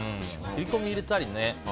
切り込みを入れたりね。